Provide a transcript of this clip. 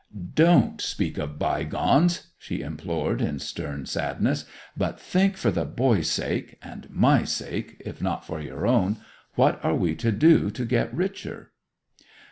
'Don't speak of bygones!' she implored, in stern sadness. 'But think, for the boys' and my sake, if not for your own, what are we to do to get richer?